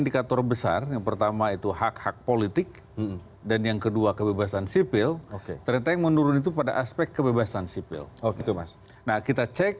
kami akan segera kembali